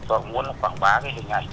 và muốn là quảng bá cái hình ảnh